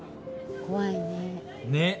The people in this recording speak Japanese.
怖いね。